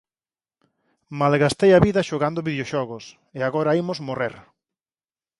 Malgastei a vida xogando videoxogos e agora imos morrer!